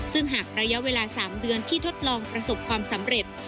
ซึ่งหากระยะเวลา๓เดือนที่ทดลองประสบความสำเร็จ